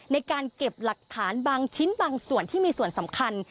ในการเก็บหลักฐานบางชิ้นบางส่วนที่มีส่วนสำคัญ